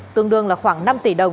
tương đương là khoảng năm tỷ đồng